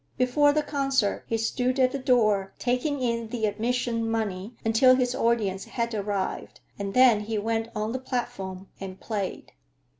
Before the concert, he stood at the door taking in the admission money until his audience had arrived, and then he went on the platform and played.